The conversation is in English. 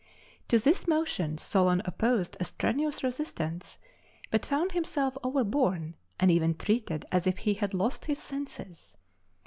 To this motion Solon opposed a strenuous resistance, but found himself overborne, and even treated as if he had lost his senses.